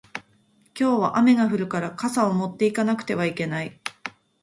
今日は雨が降るから傘を持って行かなくてはいけない